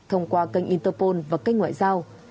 thông qua kênh interpol và kênh ngoại giao